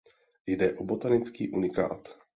Jde o botanický unikát.